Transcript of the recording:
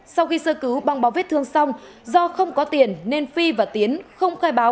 sau khi sơ cứu băng bó vết thương xong do không có tiền nên phi và tiến không khai báo